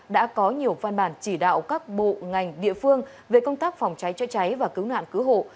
đã có nhiều văn bản chỉ đạo các bộ ngành địa phương về công tác phòng cháy chữa cháy và cứu nạn cứu hộ